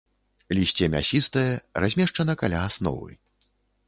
Лісце мясістае, размешчана каля асновы.